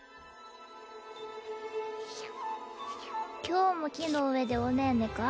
・今日も木の上でおねんねか？